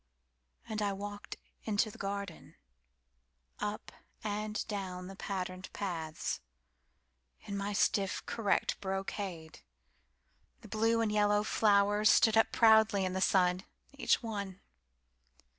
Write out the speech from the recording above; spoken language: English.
And I walked into the garden, Up and down the patterned paths, In my stiff, correct brocade. The blue and yellow flowers stood up proudly in the sun, Each one.